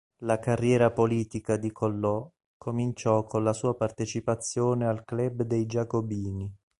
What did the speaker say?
La carriera politica di Collot cominciò con la sua partecipazione al Club dei Giacobini.